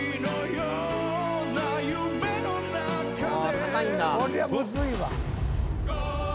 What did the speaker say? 高いんだ。